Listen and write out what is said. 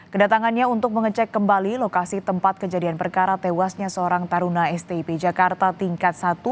kedatangannya untuk mengecek kembali lokasi tempat kejadian perkara tewasnya seorang taruna stip jakarta tingkat satu